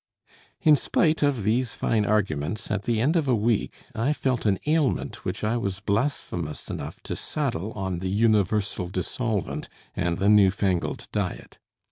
In spite of these fine arguments, at the end of a week I felt an ailment which I was blasphemous enough to saddle on the universal dissolvent and the new fangled diet.